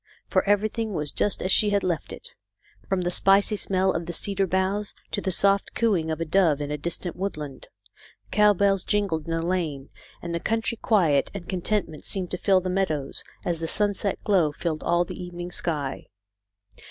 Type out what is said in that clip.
For everything was just as she had left it, from the spicy smell of the cedar boughs, to the soft cooing of a dove in a distant woodland. Cow bells jingled in the lane, and the country quiet and contentment seemed to fill the meadows, as the sunset glow filled all the evening sky.